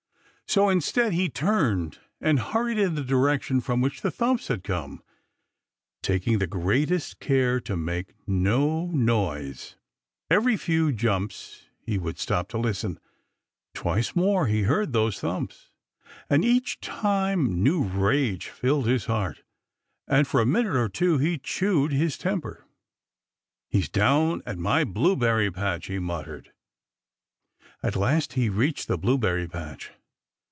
So instead, he turned and hurried in the direction from which the thumps had come, taking the greatest care to make no noise. Every few jumps he would stop to listen. Twice more he heard those thumps, and each time new rage filled his heart, and for a minute or two he chewed his temper. "He's down at my blueberry patch," he muttered. At last he reached the blueberry patch.